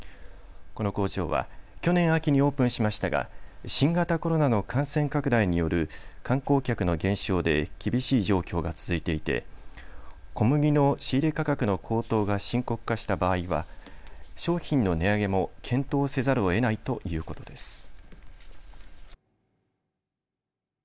この工場は去年秋にオープンしましたが新型コロナの感染拡大による観光客の減少で厳しい状況が続いていて小麦の仕入れ価格の高騰が深刻化した場合は商品の値上げも検討せざるをえないということです。